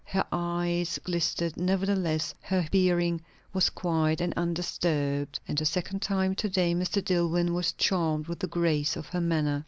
Her eyes glistened; nevertheless her bearing was quiet and undisturbed; and a second time to day Mr. Dillwyn was charmed with the grace of her manner.